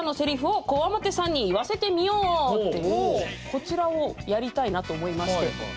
こちらをやりたいなと思いまして。